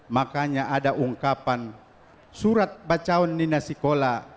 makanya ada ungkapan surat bacaun nina sikola